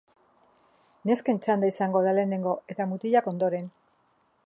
Nesken txanda izango da lehenengo eta mutilenak ondoren.